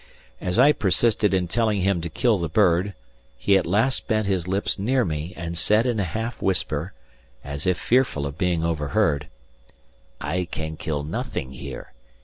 As I persisted in telling him to kill the bird, he at last bent his lips near me and said in a half whisper, as if fearful of being overheard: "I can kill nothing here.